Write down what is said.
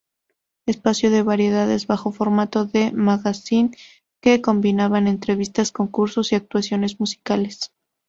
Espacio de variedades bajo formato de "magacín" que combinaba entrevistas, concursos y actuaciones musicales.